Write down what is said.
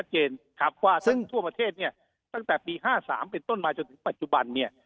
ว่าซึ่งทั่วประเทศเนี่ยตั้งแต่ปี๕๓เป็นต้นมาจนถึงปัจจุบันเนี่ย